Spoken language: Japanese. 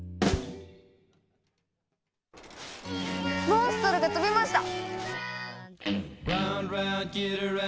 モンストロが飛びました！